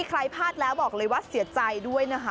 ใครพลาดแล้วบอกเลยว่าเสียใจด้วยนะคะ